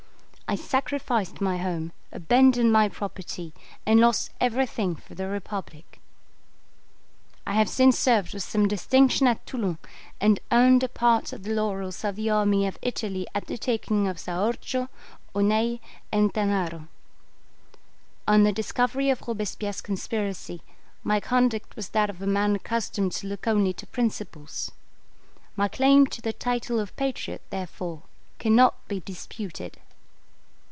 I sacrificed my home, abandoned my property, and lost everything for the Republic? I have since served with some distinction at Toulon, and earned a part of the laurels of the army of Italy at the taking of Saorgio, Oneille, and Tanaro. On the discovery of Robespierre's conspiracy, my conduct was that of a man accustomed to look only to principles. My claim to the title of patriot, therefore cannot be disputed.